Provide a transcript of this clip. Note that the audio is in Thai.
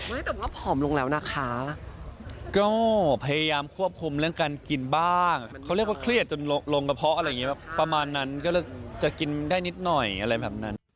แบบว่าผอมลงแล้วนะคะก็พยายามควบคุมเรื่องการกินบ้างเขาเรียกว่าเครียดจนลงกระเพาะอะไรอย่างนี้แบบประมาณนั้นก็จะกินได้นิดหน่อยอะไรแบบนั้น